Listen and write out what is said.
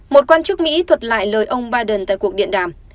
một quan chức mỹ thuật lại lời ông biden tại cuộc điện đàm